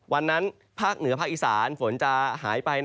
ภาคเหนือภาคอีสานฝนจะหายไป